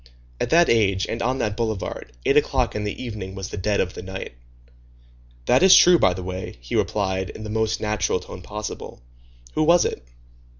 At that age, and on that boulevard, eight o'clock in the evening was the dead of the night. "That is true, by the way," he replied, in the most natural tone possible. "Who was it?"